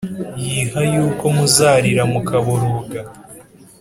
Yh yuko muzarira mukaboroga